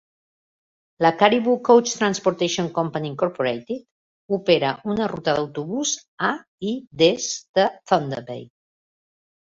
La Caribou Coach Transportation Company Incorporated opera una ruta d'autobús a i des de Thunder Bay.